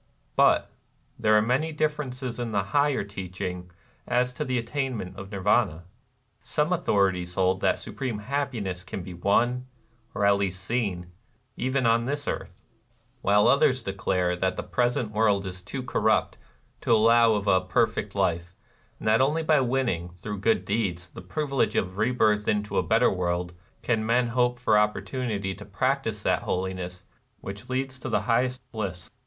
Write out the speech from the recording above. But there are many differences in the higher teaching as to the attainment of Nirvana. Some authorities hold that the supreme hap piness can be won, or at least seen, even on this earth ; while others declare that the present world is too corrupt to allow of a per fect life, and that only by winning, through good deeds, the privilege of rebirth into a better world, can men hope for opportunity to practice that holiness which leads to the highest bliss.